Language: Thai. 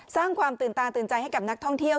สร้างความตื่นตาตื่นใจให้กับนักท่องเที่ยว